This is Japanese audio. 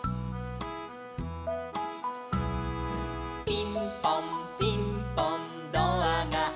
「ピンポンピンポンドアがあいて」